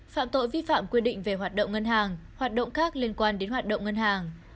phạm tội vi phạm quy định về hoạt động ngân hàng hoạt động khác liên quan đến hoạt động ngân hàng